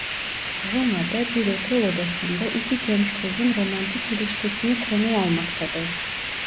Roma'da bir otel odasında iki genç kızın romantik ilişkisini konu almaktadır.